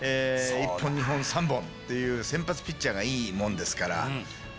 １本２本３本！っていう先発ピッチャーがいいもんですから。